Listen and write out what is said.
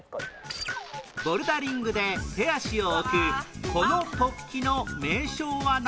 ボルダリングで手足を置くこの突起の名称は何？